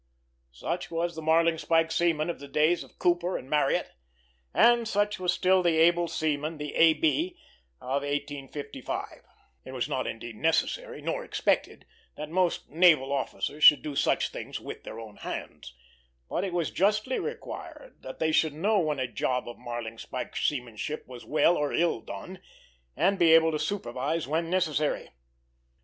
Such was the marling spike seaman of the days of Cooper and Marryat, and such was still the able seaman, the "A.B.," of 1855. It was not indeed necessary, nor expected, that most naval officers should do such things with their own hands; but it was justly required that they should know when a job of marling spike seamanship was well or ill done, and be able to supervise, when necessary.